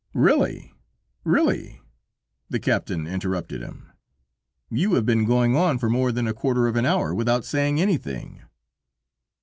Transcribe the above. "Really, really," the captain interrupted him, "you have been going on for more than a quarter of an hour without saying anything."